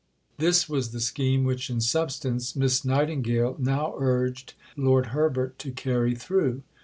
This was the scheme which in substance Miss Nightingale now urged Lord Herbert to carry through.